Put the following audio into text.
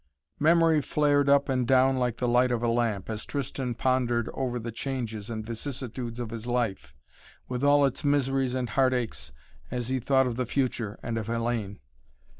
Memory flared up and down like the light of a lamp, as Tristan pondered over the changes and vicissitudes of his life, with all its miseries and heart aches, as he thought of the future and of Hellayne.